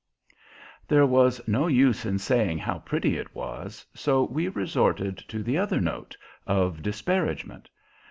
There was no use in saying how pretty it was, so we resorted to the other note, of disparagement.